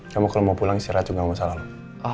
kamu kalau mau pulang istirahat juga gak masalah loh